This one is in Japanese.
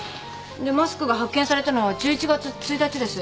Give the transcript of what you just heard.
でマスクが発見されたのは１１月１日です。